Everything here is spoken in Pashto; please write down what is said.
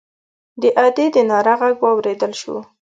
د ادي د ناره غږ واورېدل شو.